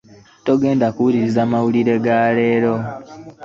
Togenda kuwuliriza mawulire ga leero?